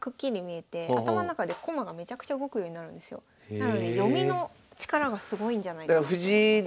なので読みの力がすごいんじゃないかなと思います。